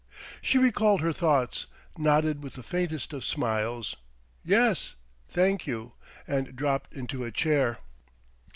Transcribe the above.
She recalled her thoughts, nodded with the faintest of smiles "Yes, thank you!" and dropped into a chair.